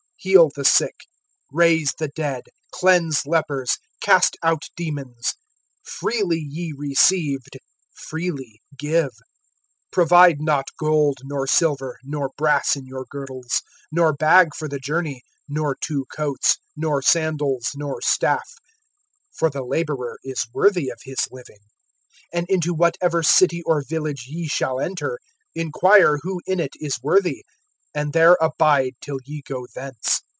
(8)Heal the sick, raise the dead[10:8], cleanse lepers, cast out demons. Freely ye received, freely give. (9)Provide not gold, nor silver, nor brass in your girdles; (10)nor bag for the journey, nor two coats, nor sandals, nor staff; for the laborer is worthy of his living. (11)And into whatever city or village ye shall enter, inquire who in it is worthy; and there abide till ye go thence.